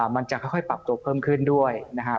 มันจะค่อยปรับตัวเพิ่มขึ้นด้วยนะครับ